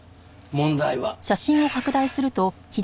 問題は。